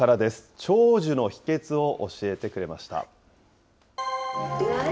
長寿の秘けつを教えてくれました。